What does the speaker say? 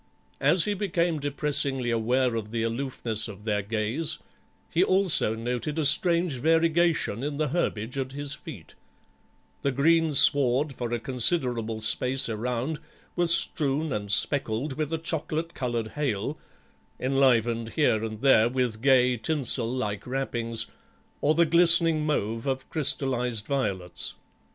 As he became depressingly aware of the aloofness of their gaze he also noted a strange variegation in the herbage at his feet; the greensward for a considerable space around was strewn and speckled with a chocolate coloured hail, enlivened here and there with gay tinsel like wrappings or the glistening mauve of crystallised violets.